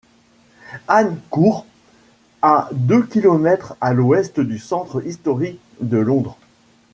Anne's Court, à deux kilomètres à l'Ouest du centre historique de Londres.